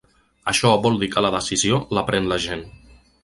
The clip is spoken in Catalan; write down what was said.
Això vol dir que la decisió, la pren la gent.